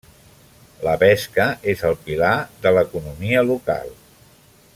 La pesca és el pilar de l'economia local.